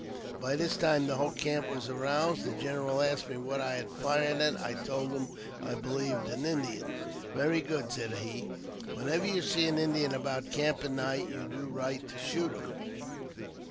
By this time the whole camp was aroused ; the general asked me what I had fired at. I told him I believed an Indian. Very good," said he ;" whenever you see an Indian aboufc the camp at night, you do right to shoot him."